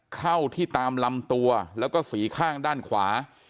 เข้าที่ตามลำตัวแล้วก็สีข้างด้านขวา